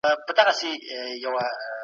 تاسو باید د پوهنځي خاطرې په کتابچه کي ولیکئ.